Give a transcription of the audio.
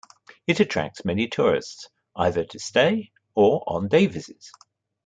It attracts many tourists either to stay or on day-visits.